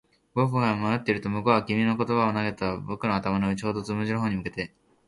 僕が迷っていると、行こうと君は言葉を投げた。僕の頭の上、ちょうどつむじの方に向けて。